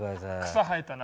草生えたな。